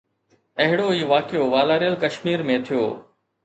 اهڙو ئي واقعو والاريل ڪشمير ۾ ٿيو.